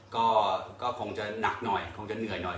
ก็คงจะหนักหน่อยคงจะเหนื่อยหน่อย